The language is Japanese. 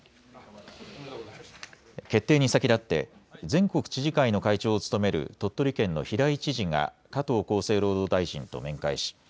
決定に先立って全国知事会の会長を務める鳥取県の平井知事が加藤厚生労働大臣と面会し